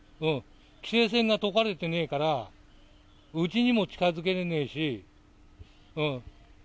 規制線が解かれてねえから、うちにも近づけないし。